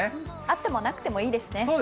あってもなくてもいいですね。